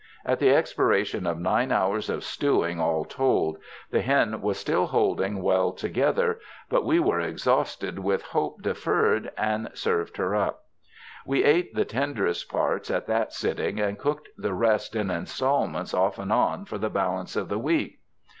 At the expiration of nine hours of stewing, all told, the hen was still holding well together, but we were exhausted with hope deferred and served her up. We ate the ten derest parts at that sitting, and cooked the rest in instalments off and on for the balance of the week.